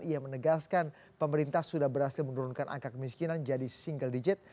ia menegaskan pemerintah sudah berhasil menurunkan angka kemiskinan jadi single digit